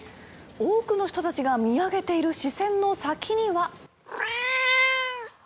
多くの人たちが見上げている視線の先には。